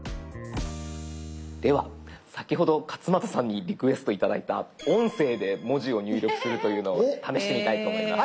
では先ほど勝俣さんにリクエストを頂いた音声で文字を入力するというのを試してみたいと思います。